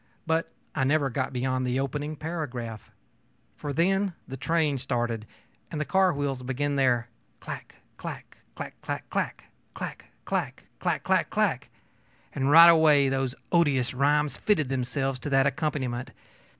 But I never got beyond the opening paragraph; for then the train started and the car wheels began their 'clack, clack clack clack clack! clack clack! clack clack clack!' and right away those odious rhymes fitted themselves to that accompaniment.